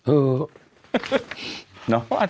เออ